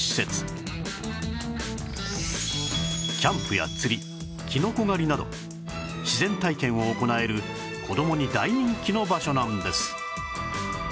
キャンプや釣りキノコ狩りなど自然体験を行える子どもに大人気の場所なんです